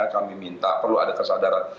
kami minta perlu ada kesadaran